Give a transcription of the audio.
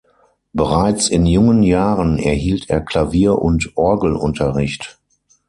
Bereits in jungen Jahren erhielt er Klavier- und Orgelunterricht.